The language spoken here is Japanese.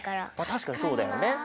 たしかにそうだよね。